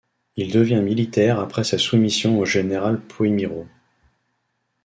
Il devient militaire après sa soumission au général Poeymirau.